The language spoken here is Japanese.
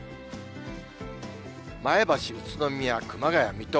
前橋、宇都宮、熊谷、水戸。